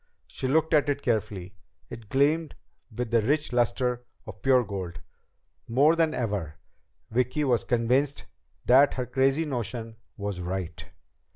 She looked at it carefully. It gleamed with the rich luster of pure gold. More than ever, Vicki was convinced that her crazy notion was right.